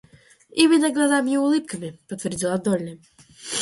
Именно глазами и улыбками, — подтвердила Долли.